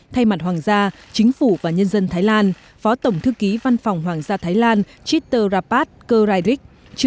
thay mặt hoàng gia chính phủ và nhân dân thái lan phó tổng thư ký văn phòng hoàng gia thái lan chitterapat keraidik